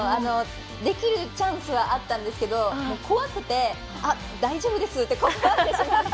できるチャンスはあったんですけど怖くて、大丈夫ですって断ってしまって。